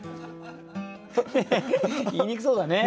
言いにくそうだね。